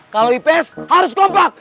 kalau ips harus kompak